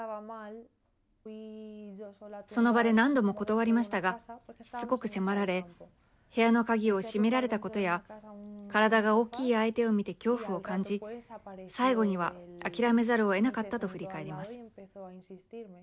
その場で何度も断りましたがしつこく迫られ部屋の鍵を閉められたことや体が大きい相手を見て恐怖を感じ最後には諦めざるをえなかったと振り返ります。